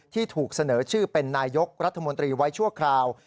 ที่ถูกเสนอชื่อเป็นนายกรัฐมนตรีไว้ชั่วคราว